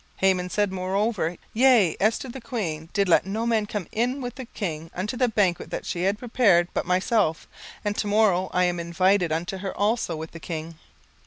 17:005:012 Haman said moreover, Yea, Esther the queen did let no man come in with the king unto the banquet that she had prepared but myself; and to morrow am I invited unto her also with the king.